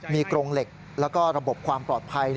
มีกรงเหล็กแล้วก็ระบบความปลอดภัย